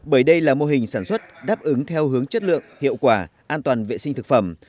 bởi đây là mô hình sản xuất đáp ứng theo hướng chất lượng hiệu quả an toàn vệ sinh thực phẩm